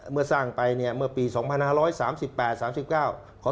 เมื่อสร้างไปเนี่ยเมื่อปีสองพันหาร้อยสามสิบแปดสามสิบเก้า